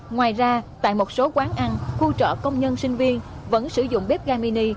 ngoài ra tại một số quán ăn khu chợ công nhân sinh viên vẫn sử dụng bếp ga mini